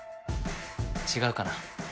違うかな？